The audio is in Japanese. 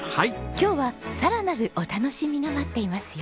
今日はさらなるお楽しみが待っていますよ。